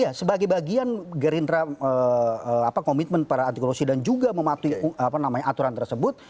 ya sebagai bagian gerindra komitmen para antikulusi dan juga mematuhi apa namanya aturan tersebut